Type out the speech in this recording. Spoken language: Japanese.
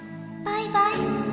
バイバイ。